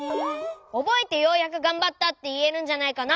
おぼえてようやくがんばったっていえるんじゃないかな？